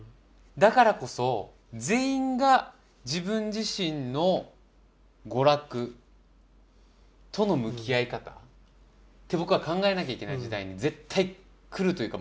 だからこそ全員が自分自身の娯楽との向き合い方って僕は考えなきゃいけない時代に絶対来るというか。